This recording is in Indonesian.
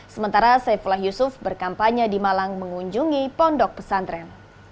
sementara saifullah yusuf berkampanye di malang mengunjungi pondok pesantren